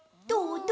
どう？